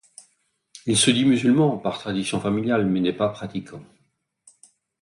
Il se dit musulman par tradition familiale mais n'est pas pratiquant.